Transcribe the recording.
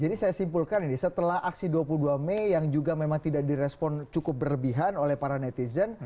jadi saya simpulkan ini setelah aksi dua puluh dua mei yang juga memang tidak direspon cukup berlebihan oleh para netizen